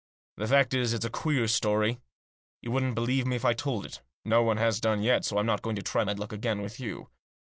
The fact is, it's a queer story. You wouldn't believe me if I told it ; no one has done yet, so I'm not going to try my luck again with you.